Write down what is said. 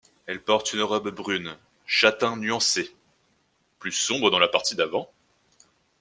Elle porte une robe brune châtain nuancée, plus sombre dans la partie avant.